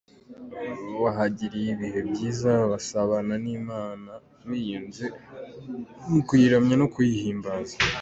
Bahagiriye ibihe byiza basabana n'Imana binyuze mu kuyiramya no kuyihimbaza.